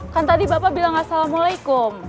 kan tadi bapak bilang assalamualaikum